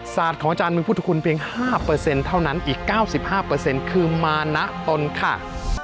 ของอาจารย์เมืองพุทธคุณเพียง๕เท่านั้นอีก๙๕คือมานะตนค่ะ